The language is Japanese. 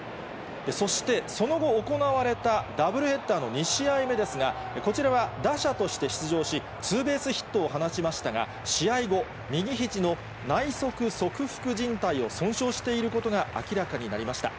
そして、その後行われたダブルヘッダーの２試合目ですが、こちらは打者として出場し、ツーベースヒットを放ちましたが、試合後、右ひじの内側側副じん帯を損傷していることが明らかになりました。